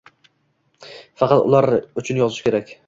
Faqat ular uchun yozish kerak.